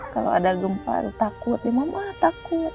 kalau ada gempar takut ya mama takut